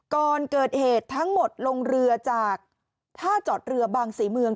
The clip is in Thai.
ก่อนเกิดเหตุทั้งหมดลงเรือจากท่าจอดเรือบางศรีเมือง